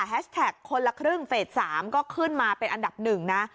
แท็กคนละครึ่งเฟส๓ก็ขึ้นมาเป็นอันดับหนึ่งนะ